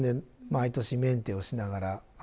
毎年メンテをしながら。